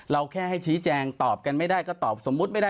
แค่ให้ชี้แจงตอบกันไม่ได้ก็ตอบสมมุติไม่ได้